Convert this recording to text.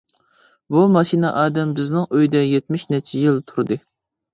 بۇ ماشىنا ئادەم بىزنىڭ ئۆيدە يەتمىش نەچچە يىل تۇردى.